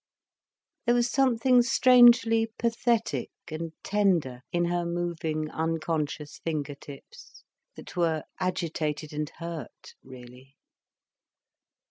There was something strangely pathetic and tender in her moving, unconscious finger tips, that were agitated and hurt, really.